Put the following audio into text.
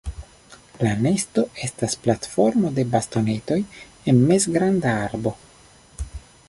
La nesto estas platformo de bastonetoj en mezgranda arbo.